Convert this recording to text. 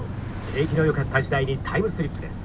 景気のよかった時代にタイムスリップです。